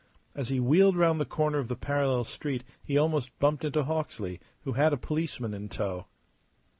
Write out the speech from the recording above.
As he wheeled round the corner of the parallel street he almost bumped into Hawksley, who had a policeman in tow.